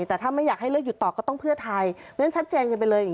แต่ถ้าไม่อยากให้เลือกอยู่ต่อก็ต้องเพื่อไทย